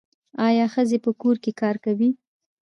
آیا ښځې په کور کې کار کوي؟